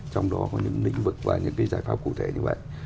trong đó có những lĩnh vực và những cái giải pháp cụ thể như vậy